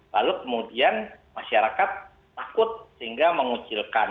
lalu kemudian masyarakat takut sehingga mengucilkan